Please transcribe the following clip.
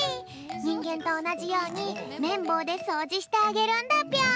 にんげんとおなじようにめんぼうでそうじしてあげるんだぴょん。